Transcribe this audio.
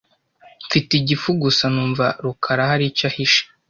Mfite igifu gusa numva rukara hari icyo ahishe .